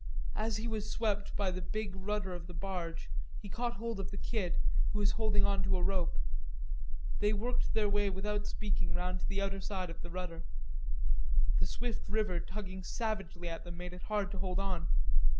As he was swept by the big rudder of the barge, he caught hold of the Kid, who was holding on to a rope. They worked their way without speaking round to the outer side of the rudder. The swift river tugging savagely at them made it hard to hold on.